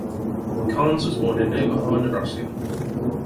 Karnes was born in Omaha, Nebraska.